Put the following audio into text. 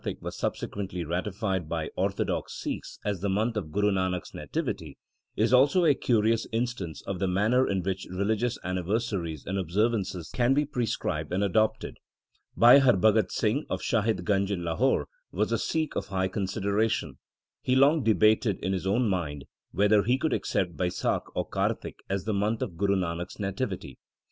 INTRODUCTION Ixxxv How the month of Kartik was subsequently ratified by orthodox Sikhs as the month of Guru Nanak s nativity is also a curious instance of the manner in which religious anniversaries and observances can be prescribed and adopted. Bhai Harbhagat Singh, of Shahid Ganj in Lahore, was a Sikh of high consideration. He long debated in his own mind whether he would accept Baisakh or Kartik as the month of Guru Nanak s nativity.